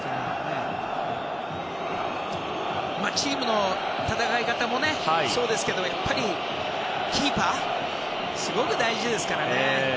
チームの戦い方もそうですけどやっぱりキーパーすごく大事ですからね。